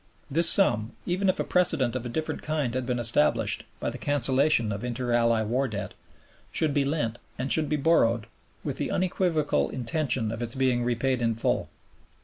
This sum, even if a precedent of a different kind had been established by the cancellation of Inter Ally War Debt, should be lent and should be borrowed with the unequivocal intention of its being repaid in full.